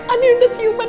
andin sudah siuman